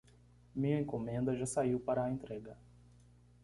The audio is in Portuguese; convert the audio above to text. Minha encomenda já saiu para a entrega.